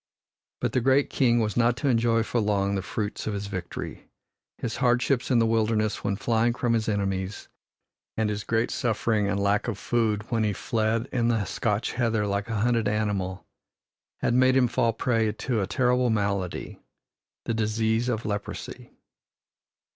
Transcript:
But the great king was not to enjoy for long the fruits of his victory. His hardships in the wilderness when flying from his enemies, and his great suffering and lack of food when he fled in the Scotch heather like a hunted animal, had made him fall prey to a terrible malady the disease of leprosy.